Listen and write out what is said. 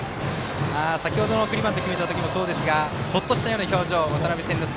先ほどの送りバントを決めた時もそうですがほっとしたような表情渡邉千之亮。